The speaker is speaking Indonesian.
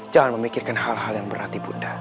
jangan memikirkan hal hal yang berarti bunda